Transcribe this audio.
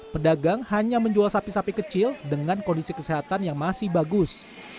pedagang hanya menjual sapi sapi kecil dengan kondisi kesehatan yang masih bagus